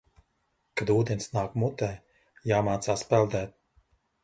Kad ūdens nāk mutē, jāmācās peldēt.